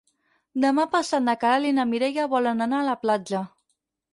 Demà passat na Queralt i na Mireia volen anar a la platja.